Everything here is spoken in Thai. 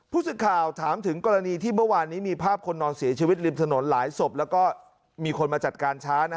สึกข่าวถามถึงกรณีที่เมื่อวานนี้มีภาพคนนอนเสียชีวิตริมถนนหลายศพแล้วก็มีคนมาจัดการช้า